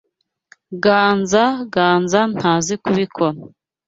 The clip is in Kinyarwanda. [Ganza] Ganza ntazi kubikora.